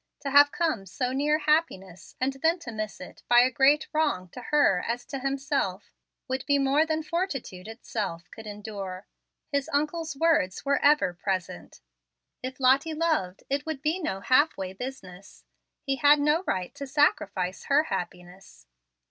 To have come so near happiness, and then to miss it by as great a wrong to her as to himself, would be more than fortitude itself could endure. His uncle's words were ever present: "If Lottie loved, it would be no half way business. He had no right to sacrifice her happiness."